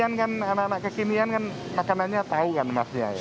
kalau yang kekinian kan anak anak kekinian kan makanannya tahu kan emasnya ya